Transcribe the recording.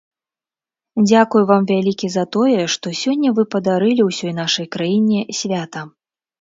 Дзякуй вам вялікі за тое, што сёння вы падарылі ўсёй нашай краіне свята.